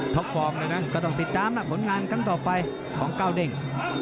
ฟอร์มเลยนะก็ต้องติดตามนะผลงานครั้งต่อไปของก้าวเด้ง